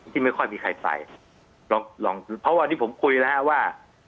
ที่ไม่ค่อยมีใครไปเพราะวันนี้ผมคุยแล้วว่า